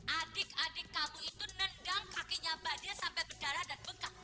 adik adik kamu itu nendang kakinya bada sampai berdarah dan bekas